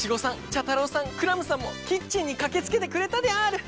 クラムさんもキッチンにかけつけてくれたである！